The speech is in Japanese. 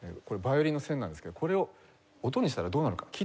ヴァイオリンの線なんですけどこれを音にしたらどうなるか？